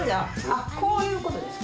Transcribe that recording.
あっこういう事ですか？